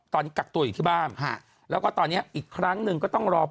ตอนนี้กักตัวอยู่ที่บ้านแล้วก็ตอนนี้อีกครั้งหนึ่งก็ต้องรอ